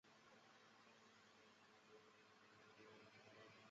这是他向党禁发起的公民宪法维权行动。